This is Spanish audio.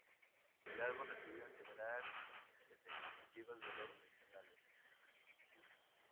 El álbum recibió en general reseñas positivas de los profesionales.